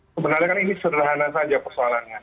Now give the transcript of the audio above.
sebenarnya kan ini sederhana saja persoalannya